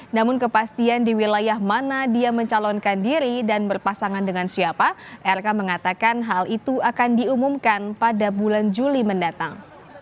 namun kepastian di wilayah mana dia mencalonkan diri dan berpasangan dengan siapa rk mengatakan hal itu akan diumumkan pada bulan juli mendatang